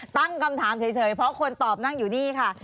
ตั้งคำถามเฉยเพราะคนตอบนั่งอยู่นี่ค่ะ